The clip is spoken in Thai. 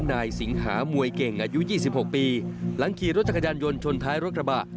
นายสิงหามวยเก่งอายุ๒๖ปีหลังขี่รถจักรยานยนต์ชนท้ายรถกระบะ